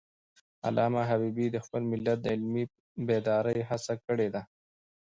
علامه حبیبي د خپل ملت د علمي بیدارۍ هڅه کړی ده.